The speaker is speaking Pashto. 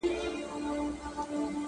حجره د پښتنو ده څوک به ځي څوک به راځي٫